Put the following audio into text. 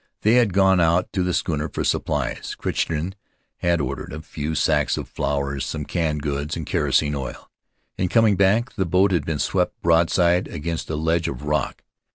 They had gone out to the schooner for supplies Crichton had ordered — a few sacks of flour, some canned goods, and kerosene oil; in coming back the boat had been swept, broadside, against a ledge of rock.